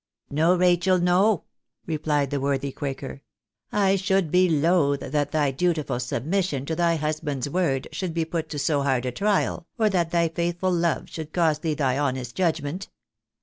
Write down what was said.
" No, Rachel, no," replied the worthy quaker ;" I should be loath that thy dutiful submission to thy husband's word should be put to so hard a trial, or that thy faithful love should cost thee thy honest judgment.